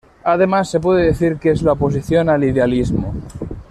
Además, se puede decir que es la oposición al idealismo.